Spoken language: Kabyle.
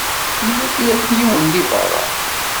Yella kra n yiwen di beṛṛa.